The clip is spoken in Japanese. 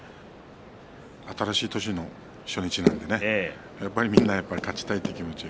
新しい年の初日なのでみんな勝ちたいという気持ちが。